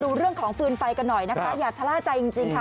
ดูเรื่องของฟืนไฟกันหน่อยนะคะอย่าชะล่าใจจริงค่ะ